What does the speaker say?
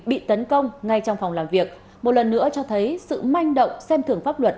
bị tấn công ngay trong phòng làm việc một lần nữa cho thấy sự manh động xem thưởng pháp luật